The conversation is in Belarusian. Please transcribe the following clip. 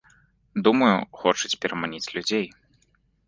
Думаю, хочуць пераманіць людзей.